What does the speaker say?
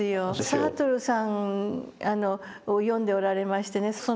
サルトルさんを読んでおられましてね。